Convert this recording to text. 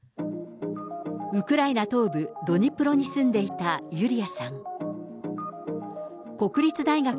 ウクライナ東部ドニプロに住んでいたユリアさん。